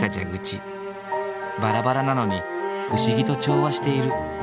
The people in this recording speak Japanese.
バラバラなのに不思議と調和している。